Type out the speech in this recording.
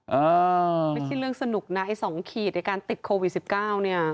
ไม่ใช่เรื่องสนุกนะไอ้สองขีดในการติดโควิด๑๙เนี่ย